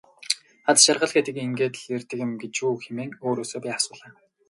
Аз жаргал гэдэг ингээд л ирдэг юм гэж үү хэмээн өөрөөсөө би асуулаа.